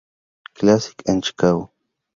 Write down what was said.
Classic" en Chicago.